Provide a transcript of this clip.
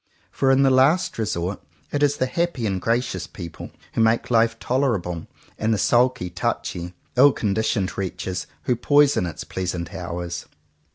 For, in the last resort, it is the happy and gracious people who make life tolerable, and the sulky, touchy, ill conditioned wretches who poison its pleasant hours.